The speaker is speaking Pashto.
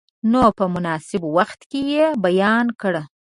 نو په مناسب وخت کې یې بیان کړئ.